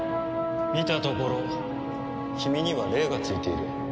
見たところ君には霊がついている。